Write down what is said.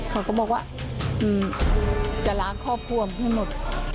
เขาก็บอกว่าจะล้างครอบครัวให้หมด